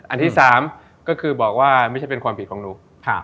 อันที่๓ก็คือบอกว่าไม่ใช่เป็นความผิดของหนู